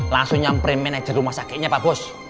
langsung nyampri manajer rumah sakitnya pak bos